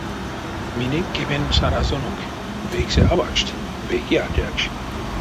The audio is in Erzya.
Минек кемень саразонок: вейксэ авакшт, вейке атякш.